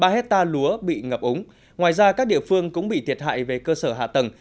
ba hectare lúa bị ngập ống ngoài ra các địa phương cũng bị thiệt hại về cơ sở hạ tầng